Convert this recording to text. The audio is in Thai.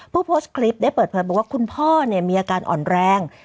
ผู้โพสต์คลิปได้เปิดเผยบอกว่าคุณพ่อมีอาการอ่อนแรง